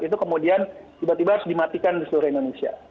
itu kemudian tiba tiba harus dimatikan di seluruh indonesia